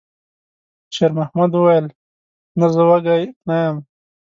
شېرمحمد وویل: «نه، زه وږی نه یم.»